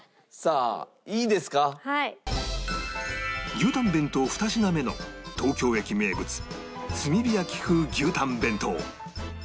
牛たん弁当２品目の東京駅名物炭火焼風牛たん弁当